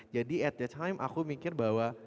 jadi at that time aku mikir bahwa